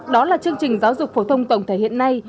đó là chương trình giáo dục phổ thông tổng thể hiện nay